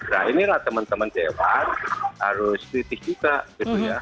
nah inilah teman teman dewan harus kritis juga gitu ya